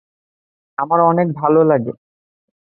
আমার অনেক ভালো লাগে।